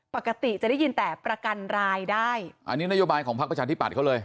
ปกติจะได้ยินแต่ประกันรายได้อันนี้นโยบายของพักประชาธิบัตย์เขาเลย